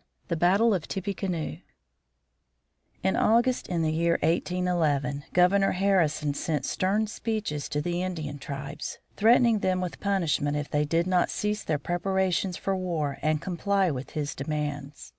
X. THE BATTLE OF TIPPECANOE In August, in the year 1811, Governor Harrison sent stern "speeches" to the Indian tribes, threatening them with punishment if they did not cease their preparations for war and comply with his demands.